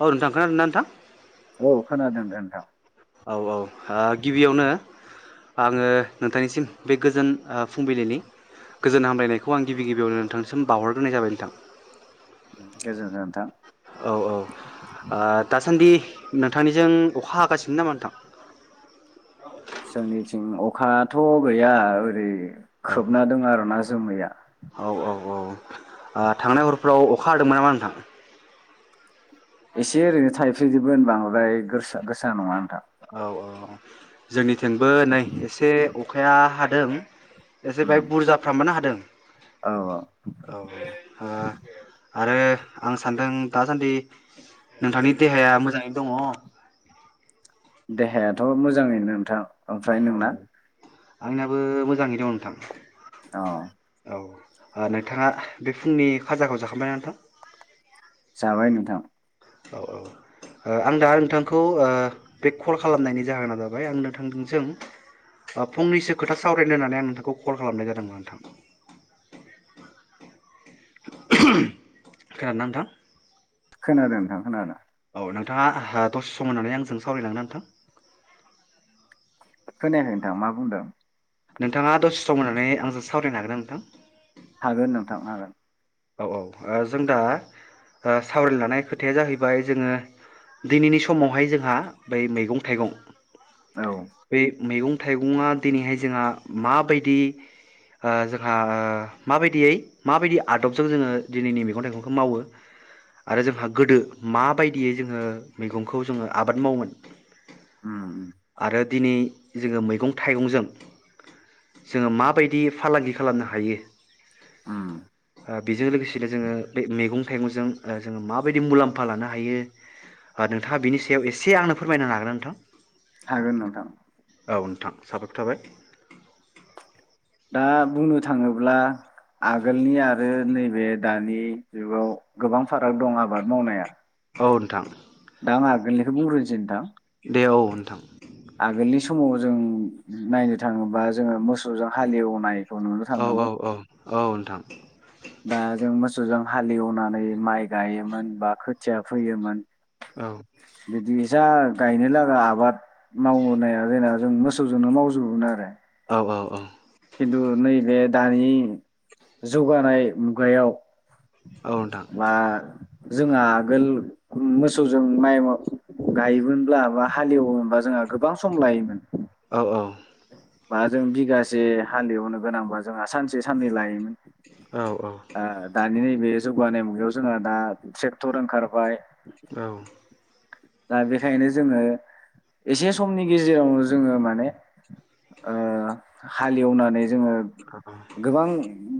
औ नोंथां खोनादों ना नोंथां? औ [unintelligible] औ औ ओ गिबियावनो आङो नोंथांनिसिम बे गोजोन ओ फुंबिलिनि गोजोन हामलायनायखौ आं गिबि गिबियावनो नोंथांनिसिम बावहरग्रोनाय जाबाय नोंथां। उम गोजोनथो नोंथां। औ औ आ दासान्दि नोंथांनिजों अखा हागासिनो नामा नोंथां। जोंनिथिं अखाथ' गैया ओरै औ खोबना दों आरोना। जोमैया। औ औ औ ओ थांनाय हरफ्राव अखा हादोंमोन नामा नोंथां एसे ओरैनो थाइफैजोबो बांद्राय गोसा गोसा नङा नोंथां औ औ जोंनिथिंबो नै एसे अखाया हादों एसे उम बाहाय बुरजाफ्रामानो हादों औ औ औ औ हो आरो आं सानदों दासान्दि नोंथांनि देहाया मोजाङै दङ देहायाथ' मोजाङैनो नोंथां ओमफ्राय औ नोंना औ आंनाबो मोजाङैनो दं नोंथां अ औ ओ नोंथाङा बे फुंनि खाजाखौ जाखांबायना नोंथां जाबाय नोंथां औ औ आं दा नोंथांखौ ओ बे कल खालामनायनि जाहोना जाबाय आं नोंथांजों फंनैसो खोथा सावरायनो होननानै आं नोंथांखौ कल खालामनाय जादोंमोन नोंथां खोनादोंना नोंथां खोनादों नोंथां खोनादों औ नोंथाङा हा दसे सम होननानै आंजों सावरायलांनो नोंथां खोनायाखै नोंथां मा बुंदों नोंथाङा दसे सम होननानै आंजों सावरायनो हागोनना नोंथां हागोन नोंथां हागोन औ औ ओ जों दा ओ सावरायनो लानाय खोथाया जाहैबाय जोङो दिनैनि समावहाय जोंहा बै मैगं थाइगं औ उम बे मैगं थाइगङा दिनैहाय जोंहा माबायदि ओ जोंहा ओ माबायदियै माबायदि आदबजों जोङो दिनैनि मैगं थाइगंखौ मावो आरो जोंहा गोदो माबायदियै जोङो मैगंखौ जोङो आबाद मावोमोन उम आरो दिनै जोङो मैगं थाइगंजों जोङो माबायदि फालांगि खालामनो हायो उम बेजों लोगोसेनो जोङो बे मैगं थाइगंजों ओ जोङो माबायदि मुलाम्फा लानो हायो नोंथाङा बिनि सायाव एसे आंनो फोरमायनो हागोन नोंथां हागोन नोंथां औ नोंथां साबायखर थाबाय दा बुंनो थाङोब्ला आगोलनि आरो नैबे दानि जुगाव गोबां फाराग दं आबाद मावनाया औ नोंथां आं आगोलनिखौ बुंग्रोनोसै नोंथां दे औ नोंथां बे समाव जों नायनो थाङोबा जोङो मोसौजों हालएवनाय औ औ औ औ नोंथां दा जों मोसौजों हालेवनानै माइ गायोमोन बा खोथिया फोयोमोन औ [unintelligible] गायनो लागा आबाद मावनाया जोंना जों मोसौजोंनो मावजोबोमोन आरो औ औ औ खिन्थु नैबे दानि जौगानाय मुगायाव औ नोंथां मा जोंहा आगोल मोसौजों माइ गायोमोनब्ला बा हालेवोमोनबा जोंहा गोबां सम लायोमोन औ औ बा जों बिगासे हालेवनो गोनांबा जोंहा सानसे साननै लायोमोन औ औ आ दानिनि बे जौगानाय मुगायाव जोंहा दा ट्रेक्टर ओंखारबाय औ दा बेखायनो जोङो एसे समनि गेजेरावनो जोङो माने ओ हालेवनानै जोङो गोबां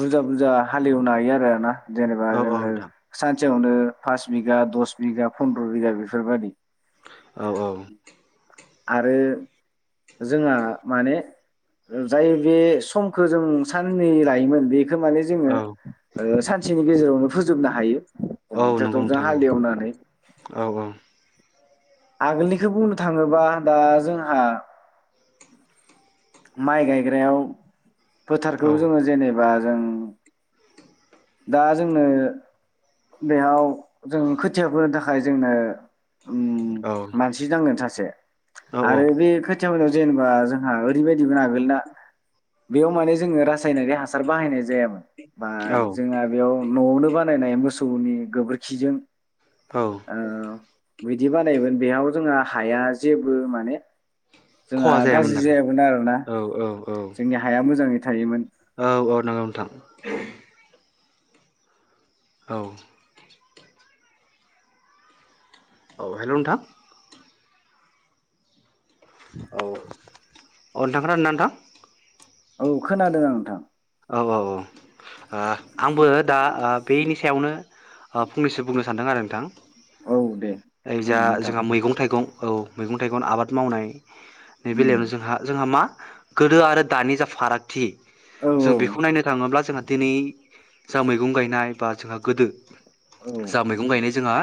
बुरजा बुरजा हालेवनो हायो आरो ना जेनेबा औ जोङो सान नोंथां खासेयावनो पास बिघा दस बिघा फन्द्र' बिगा बेफोरबायदि औ औ आरो जोंहा माने जाय बे समखौ जों साननै लायोमोन बे खो माने जोङो औ सानसे गेजेरावनो फोजोबनो हायो औ नंगौ ट्रेक्टरजों नोंथां औ हालेवनानै औ औ आगोलनिखौ बुंनो थाङोबा दा जोंहा माइ गायग्रायाव औ फोथारखौ जोङो जेनेबा बा जों दा जोंनो बेयाव जों खोथियाफोनो थाखाय जोंनो औ मानसि नांगोन सासे आरो बे ख याव जेनेबा जोंहा ओरैबायदि आगोल ना बेयाव मान जो रासायनारि हासार बाहायनाय जायामोन बा औ जों बेयाव नवावनो बाना नाय मोसौनि गोबोरखिजों औ ओ बिदि बानायोमोन बेयाव जोंहा हाया जेबो माने जोंहा खहा जायामोन गाज्रि आरो जाया आरोना औ जोंनि हा मोजाङै थायोमोन औ औ नांगौ नोंथां [inaudible] औ औ हेल' नोंथां औ औ नोंथां खोनादोंना नोंथां औ खोनादों आं नोंथां औ औ औ आ आंबो दा आ बेनि सायावनो आ फंनैसो बुंनो सानदों आरो नोंथां औ दे ओइ बुं जा नोंथां जोंहा मैगं थाइगं औ मैगं थाइगं आबाद मावनाय बेै बेलायावनो उम जोंहा जोंहा मा गोदो आरो दानि जा फारागथि औ जों बेखौ नायनो थाङोब्ला जोंहा दिनै जों मैगं गायनाय बा जोंहा गोदो औ जा मैगं गायनाय जोंहा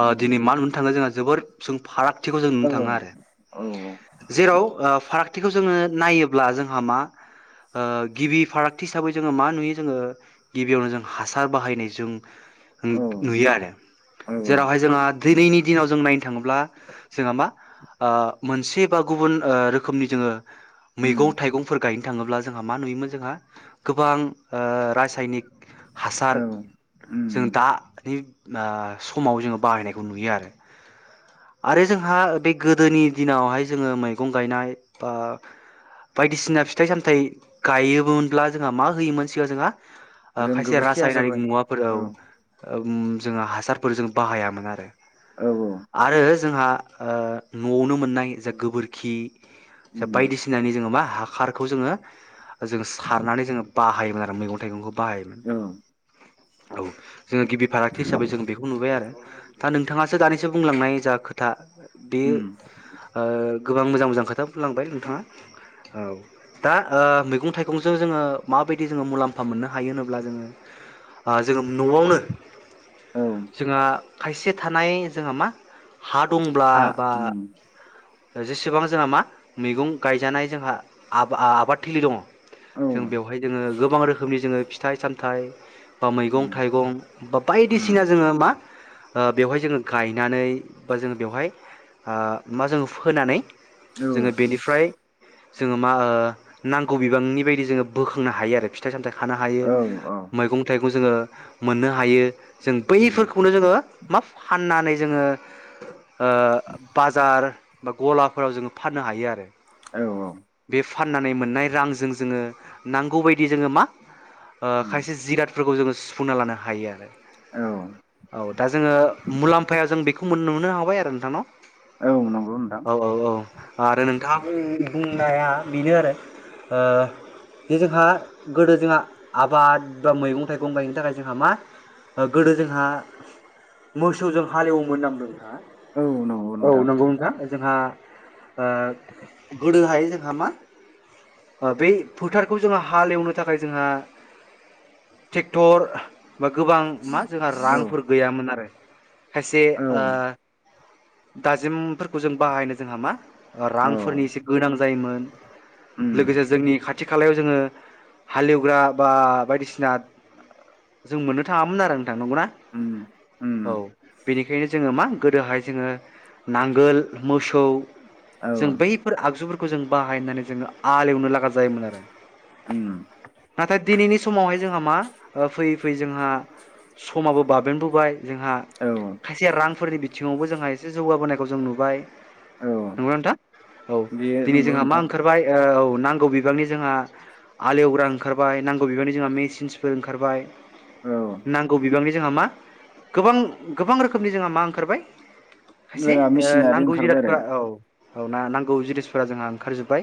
ओ दिनै मा नुनो थाङो जोंहा जोबोर जों फारागथिखौ जों नुनो औ थाङो आरो औ जेराव ओ फाराग थिखौ जोङो नायोब्ला जोंहा मा ओ गिबि फारागथि हिसाबै जोङो मा नुयो जोङो गिबियावनो जों हासार बाहायनाय जों औ नुयो आरो औ औ जेरावहाय जोंहा दिनैनि दिनाव जों नाय नो थाङोब्ला जोंहा मा ओ मोनसे बा गुबुन ओ रोखोमनि जोङो मैगं उम थाइगंफोर गाय थाङोब्ला जोंहा मा नुयोमोन जोंहा गोबां ओ रासायनिक हासार औ जों उम दानि आ समाव जोङो बाहायनायखौ नुयो आरो आरो जोंहा बे गोदोनि दिनावहाय जोङो मैगं गायनाय बा बायदिसिना फिथाइ सामथाइ गायो गुबुनब्ला जोंहा मा होयोमोन सिगां जोंहा ओ जों खायसे गोबोरखि रासायनारिक हासारबाय मुवाफोर औ ओ उम जों हासारफोर जों बाहायामोन आरो औ औ आरो जोंहा ओ न'आवनो मोननाय जा गोबोरखि उम बायदिसिनानि जोङो मा हाखारखौ जोङो जों सारनानै जोङो बाहायोमोन आरो मैगं थाइगंखौ बाहायोमोन औ औ जोङो गिबि फारागथि हिसाबै जों बेखौ नुबाय आरो दा नोंथाङासो दानिसो बुंलांनाय जा खोथा बे उम ओ गोबां मोजां मोजां खोथा बुंलांबाय नोंथाङा औ दा ओ मैगं थाइगंजों जोङो माबायदि जोङो मुलाम्फा मोन‍नो हायो होनोब्ला जोङो ओ जोङो न'आवनो औ जोंहा खायसे थानाय जोंहा मा हा दंब्ला हा बा उम जेसेबां जोंहा मा मैगं गायजानाय जोंहा आ आबाद थिलि दङ औ जों बेवहाय जोङो गोबां रोखोमनि जोङो फि फिथाइ सामथाइ बा मैगं उम थाइगं बा उम बायदिसिना जोङो मा ओ बेवहाय जोङो गायनानै बा जोङो बेवहाय मा ओ जोङो फोनानै औ जोङो बेनिफ्राय जोङो मा ओ नांगौ बिबांनि बायदि जोङो बोखांनो हायो आरो फिथाइ सामथाइखौ थानो हायो औ मैगं थाइगं खौ जोङो मोननो हायो जों उम बैफोरखौनो जोङो मा फाननानै जोङो बाजार ओ बा गलाफोराव जोङो फाननो हायो आरो औ औ बे फाननानै मोननाय रां जों जोङो नांगौबायायदि जोङो मा ओ उम खायसे जिरादफोरखौ जोङो सुफुंना लानो हायो आरो औ औ दा जोङो मुलाम्फायाव जों बेखौ नुनो हाबाय आरो नोंथां नंगौ नोंथां औ औ औ आरो नोंथाङा बुंनाया बेनो आरो ओ जे जोंहा गोदो जोंहा आबाद बा मैगं थाइगं गायनि थाखाय जोंहा मा गोदो जोंहा मोसौजों हालेवोमोन होनना बुंदों औ नंगौ औ नोंथां नंगौ नोंथां जोंहा ओ गोदोहाय जोंहा मा ओ बे फोथारखौ जोंहा हालेवनो थाखाय जोंहा ट्रेक्टर बा गोबां मा जोंहा औ रांफोर गैयामोन आरो खायसे औ आ दाजिमफोरखौ जों बाहायनो जोंहा मा औ रांफोरनि एसे गोनां जायोमोन उम लोगोसे जोंनि खाथि खालायाव जोङो हालेवग्रा बा बायदिसिना जों मोननो थाङामोन आरो थां नंगौना उम औ उम बेनिखायनो जोङो मा गोदोहाय जोङो नांगोल मोसौ औ जों बैफोर आगजुफोरखौ खौ जों बाहायनानै जोङो आल एवनो लागा जायोमोन आरो। उम। नाथाय दिनैनि समावहाय जोंहा मा फै फै जोंहा समाबो बाबेन बोबाय जोंहा औ खायसेया रांफोरनि बिथिङावबो जोंहा एसे जौगाबोनायखौ जों नुबाय नंगौना नोंथां औ बेयो दिनै नंगौ जोंहा मा नोंथां ओंखारबाय औ नांगौ बिबांनि जोंहा आलेवग्रा ओंखारबाय नांगौ बिबांनि जोंहा मेचनसफोर ओंखारबाय औ नांगौ बिबांनि जोंहा मा गोबां गोबां रोखोमनि जोंहा मा ओंखारबाय खायसे जोंहा ओ मेसिनारि नांगौ ओंखारबाय जिरादफोरा औ। औ ना नांगौ जिनिसफोरा जोंहा ओंखार जोब्बाय।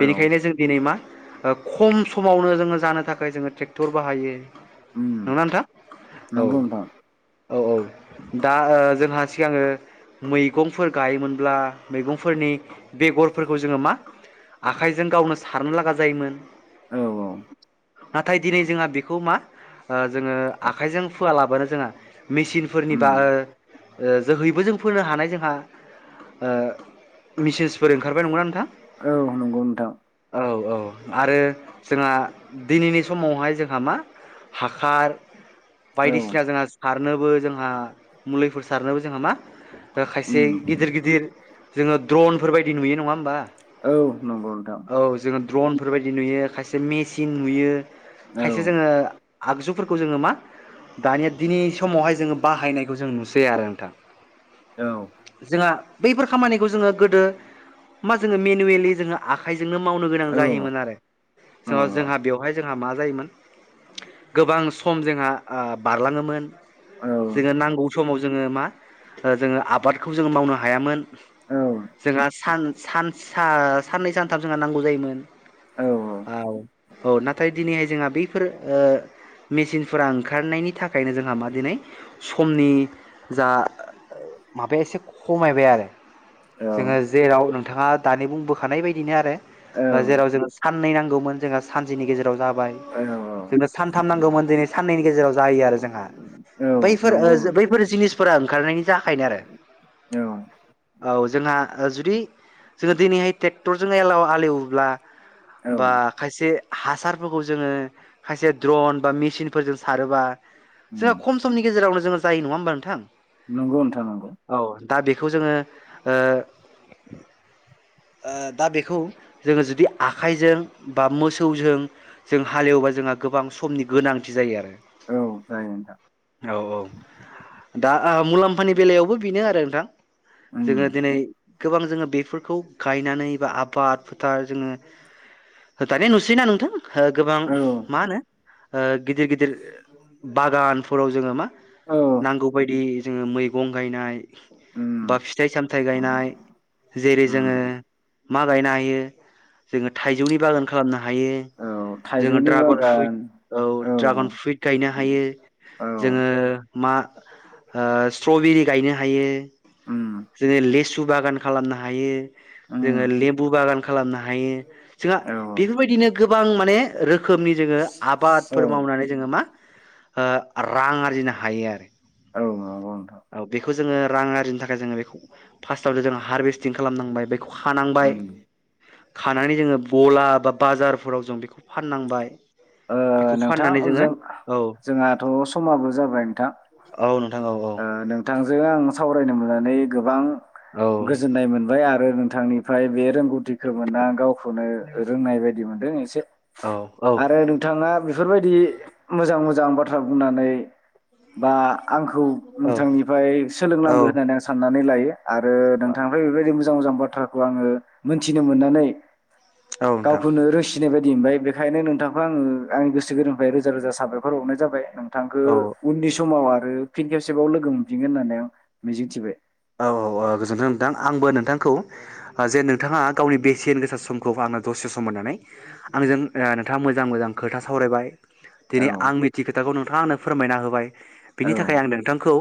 आरो औ बेनिखायनो जों दिनै मा ओ खम समावनो जोङो जानो थाखाय जोङो ट्रेक्टर बाहायो। उम नंगौना नोंथां औ नंगौ नोंथां। औ औ दा ओ जोंहा सिगाङो मैगंफोर गायोमोनब्ला मैगंफोरनि बेगरफोरखौ जोङो मा आखाइजों गावनो सारनो लागा जायोमोन। औ औ। नाथाय दिनै जोंहा बेखौ मा? ओ जोङो औ आखाइजों फोआ ला बानो जोंआ मेसिनफोरनि उम बा ओ ओ जोहैबो जों फोनो हानाय जोंहा ओ मिसिनसफोर ओंखारबाय नंङा होनबा नोंथां। औ नंगौ नोंथां। औ औ आरो जोंहा दिनैनि समावहाय जोंहा मा हाखार औ बायदिसिना जोंना सार सारनोबो जोंहा मुलिफोर सारनोबो जोंहा मा। खायसे उम गिदिर गिदिर जोङो दड्रनफोर बायदि नुयो नङा होनोमबा। औ नंगौ नोंथां। द्रनफोरबायायदि नुयो खायसे मेसिन नुयो। खायसे नंगौ जोङो आगजुफोरखौ जोङो मा दानिया दिनै समावहाय जोङो बाहायनायखौ जों नुसै आरो नोंथां औ जोंहा बैफोर खामानिखौ जोङो गोदो मा जोङो मेनुवेलि जोङो आखाइजों जोंनो मावनो गोनां औ जायोमोन आरो [unintelligible] जोंहा मा जायोमोन गोबां सम जोंहा ओ बारलाङोमोन जोङो नांगौ समाव जोङो जोङो आबादखौ जोङो मावनो हायामोन जोंहा सान सान सा साननै सानथाम जोंहा नांगौ जायोमोन औ औ नाथाय दिनैहाय जोंहा बैफोर ओ मेसिनफोरा ओंखारनायनि थाखायनो जोंहा मा दिनै समनि जा माबाया एसे खमायबाय आरो जोङो जेराव नोंथाङा दानि बुंबोखानाय बायदिनो आरो जेराव जोङो साननै नांगौ मोन जोंहा सानसेनि गेजेराव नुबाय जोंनो सानथाम नांगौमोन दिनै साननैनि गेजेराव जायो आरो जोंहा बैफोर जिनिसफोरा ओंखारनायनि थाखायनो आरो औ जोंहा जु बि जोङो दिनैहाय ट्रेक्टरजोंल एलाव हालेवोब्ला बा खायसे हासारफोरखौ जोङो खायसे द्रन बा मेसिनफोरजों सारोबा उम जोंहा खम समनि गेजेरावनो जों जायो नङा होनोमबा नोंथां नंगौ नोंथां नंगौ औ दा बेखौ जोङो ओ ओ दा बेखौ जोङो जुदि आखाइजों बा मोसौजों जों हालेवबा जोंहा गोबां समनि गोनांथि जायो आरो औ जायो नोंथां औ औ दा ओ मुलाम्फानि बेलायावबो बेनो आरो नोंथां उम जोंङो दिनै गोबां जोङो बेफोरखौ गायनानै बा आबाद फोथार जोङो होदानाय नुसैयोना नोंथां ओ गोबां औ मा ओ गिदिर गिदिर बागानफोराव जोङो मा औ नांगौ बायदि जोङो मैगं गायनाय बा उम फिथाइ सामथायाइ गायनाय जेरै जोङो उम मा गायनो हायो जोङो थाइजौनि बागान खालामनो हायो हायो औ जोङो थाइजौनि ड्रागन फ्रुइट बागान औ ड्रागन फ्रुइट गायनो हायो औ जोङो मा ओ स्ट्रबेरि गायनो हायो उम जो बागोन खालामनो हायो उम जोङो लेबु बागान खालामनो हायो जोंहा औ बेफोरबायदिनो गोबां माने रो रोखोमनि जोङो औ आबादफोर मावनानै जोङो मा ओ रां आरजिनो हायो आरो औ औ औ बे जोङो रां आरजि थाखाय बेखौ फार्सताआव जोन हारभेस्टिं खालामनांबाय बे खानांबाय उम खानानै जोङो गला बा बाजारफोराव जों बेखौ फाननांबाय ओ बेखौ नोंथां फाननानै जोङो जों औ जोंहाथ' समाबो जाबाय नोंथां औ नोंथां औ औ ओ नों थांजों आं सावरायनो मोननानै गोबां औ गोजोननाय मोनबाय आरो थांनिफ्राय बे स्कुटिखौ मोना आं गावखौनो रोंनाय बायदि मोनदों जों एसे औ आरो नोंथाङा बेफोरबायदि मोजां मोजां बाथ्रा बुंनानै बा आंखौ औ नोंथांनिफ्राय औ सोलोंनांगौ होननानै आं साननानै लायो आरो नोंथांनिफ्राय बेबायदि मोन मोजां मोजां बाथ्राखौ आङो मोनथिनो मोननानै औ नोंथां गावखौनो रोंसिनाय बायदि दिबाय बेखायनो नों नोंथांखौ आङो आंनि गोो गोरबोनिफ्राय रोजा रोजा साबायर हरनाय जाय नों थांखो औ उननि समावहा आरो फिन खेबसेबाव लोगो मोनफिनगोन होननानै आं मिजिंथिबाय औ औ औ गोजोन्थों नोंथां आंबो नोंथां खौ जे नोंथाङा गावनि बेसेन गोसा समखौ आंनो दसे सम मोननानै आंजों ओ नोंथाङा मोजां मोजां खोथा सावरायबाय औ दिनै आं मिथियै खोथाखौ नोंथांङा आंनो फोरमायना होबाय बिनि थाखाय औ आं नोंथांखौ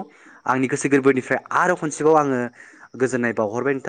आंनि गोसो गोरबोनिफ्राय आरो खनसेबाव आङो गोजोननाय बावहरबाय नोंथां